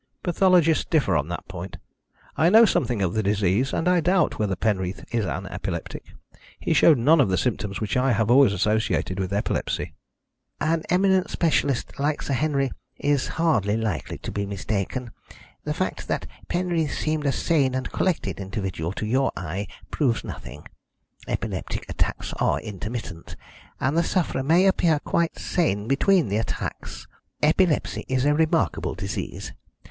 "Pathologists differ on that point. I know something of the disease, and I doubt whether Penreath is an epileptic. He showed none of the symptoms which I have always associated with epilepsy." "An eminent specialist like Sir Henry is hardly likely to be mistaken. The fact that Penreath seemed a sane and collected individual to your eye proves nothing. Epileptic attacks are intermittent, and the sufferer may appear quite sane between the attacks. Epilepsy is a remarkable disease.